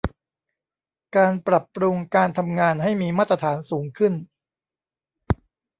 การปรับปรุงการทำงานให้มีมาตรฐานสูงขึ้น